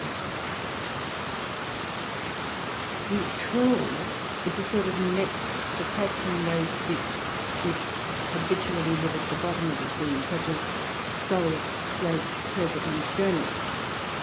"] The trawl is a sort of net for catching those fish which habitually live at the bottom of the sea, such as soles, plaice, turbot, and gurnett.